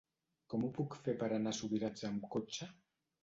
Com ho puc fer per anar a Subirats amb cotxe?